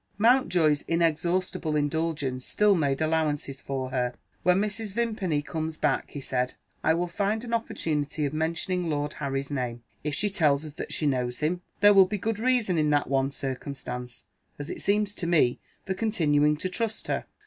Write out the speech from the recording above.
Mountjoy's inexhaustible indulgence still made allowances for her. "When Mrs. Vimpany comes back," he said, "I will find an opportunity of mentioning Lord Harry's name. If she tells us that she knows him, there will be good reason in that one circumstance, as it seems to me, for continuing to trust her."